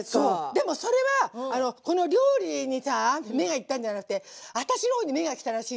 でもそれはこの料理にさ目が行ったんじゃなくて私のほうに目が来たらしいの。